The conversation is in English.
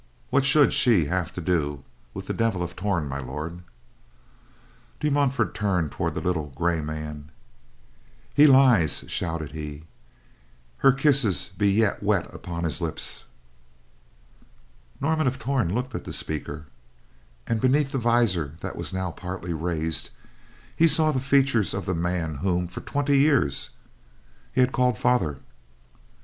What should she have to do with the Devil of Torn, My Lord?" De Montfort turned toward the little gray man. "He lies," shouted he. "Her kisses be yet wet upon his lips." Norman of Torn looked at the speaker and, beneath the visor that was now partly raised, he saw the features of the man whom, for twenty years, he had called father.